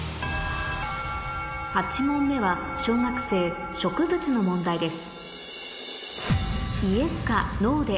８問目は小学生植物の問題です